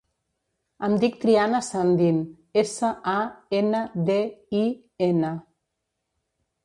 Em dic Triana Sandin: essa, a, ena, de, i, ena.